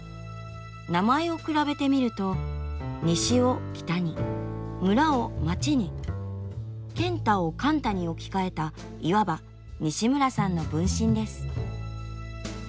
名前を比べてみると「西」を「北」に「村」を「町」に「賢太」を「貫多」に置き換えたいわば西村さんの分身です。